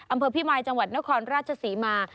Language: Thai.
อำเภอพิมายจังหวัดนครราชศรีมา